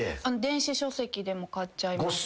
電子書籍でも買っちゃいます。